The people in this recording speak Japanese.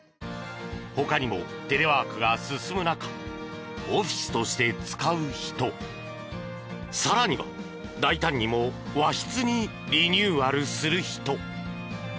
他にもテレワークが進む中オフィスとして使う人更には大胆にも和室にリニューアルする人。